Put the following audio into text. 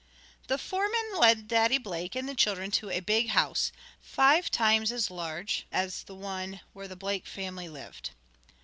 The foreman led Daddy Blake and the children to a big house, five times as large as the one where the Blake family lived.